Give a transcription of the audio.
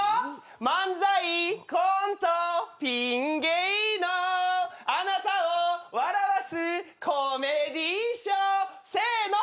「漫才コントピン芸のあなたを笑わすコメディーショー」せーの！